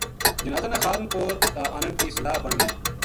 جنازا نا خانپور تا آنن کی صلاح بن گئی